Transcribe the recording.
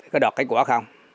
có đọt kết quả không